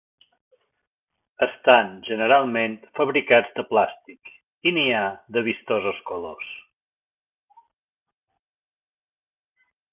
Estan generalment fabricats de plàstic i n'hi ha de vistosos colors.